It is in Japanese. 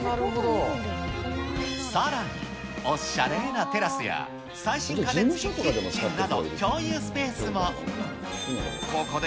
さらに、おっしゃれーなテラスや、最新家電付きキッチンなど、共有スペースも。